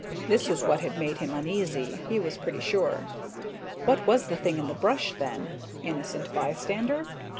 This was what had made him uneasy, he was pretty sure. What was the thing in the brush, then? Innocent bystander?